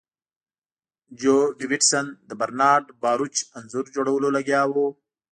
جو ډیویډ سن د برنارډ باروچ انځور جوړولو لګیا و